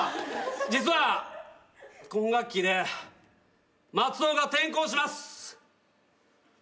実は今学期で松尾が転校します。